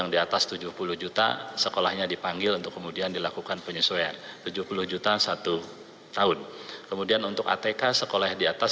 tetapi atas komponen itu juga belum langsung kami aminkan tetap dilakukan penyisiran kembali oleh dinas pendidikan maupun oleh suku dinas pendidikan maupun oleh suku dinas